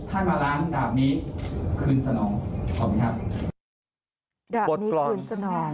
ท่านมาล้างดาบนี้คืนสนองขอบคุณครับ